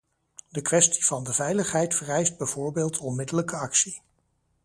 De kwestie van de veiligheid vereist bijvoorbeeld onmiddellijke actie.